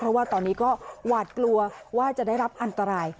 เพราะว่าตอนนี้ก็หวาดกลัวว่าจะได้รับอันตราย